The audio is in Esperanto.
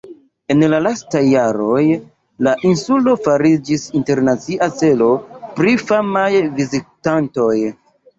En la lastaj jaroj, la insulo fariĝis internacia celo pri famaj vizitantoj.